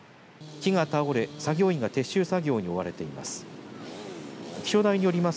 木が倒れ作業員が撤収作業に追われています。